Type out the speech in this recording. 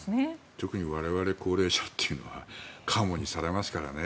特に我々高齢者というのはカモにされますからね。